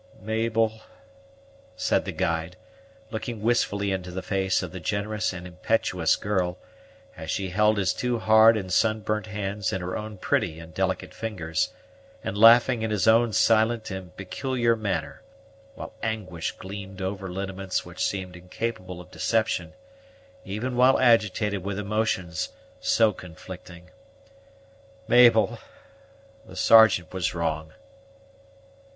"Mabel!" said the guide, looking wistfully into the face of the generous and impetuous girl, as she held his two hard and sunburnt hands in her own pretty and delicate fingers, and laughing in his own silent and peculiar manner, while anguish gleamed over lineaments which seemed incapable of deception, even while agitated with emotions so conflicting, "Mabel! the Sergeant was wrong."